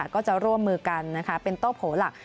ก็จะร่วมมือกันเป็นโต้โผหลัก